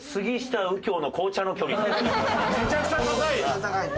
めちゃくちゃ高い。